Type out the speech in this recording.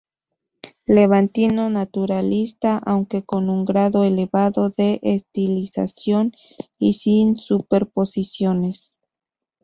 Levantino naturalista, aunque con un grado elevado de estilización y sin superposiciones.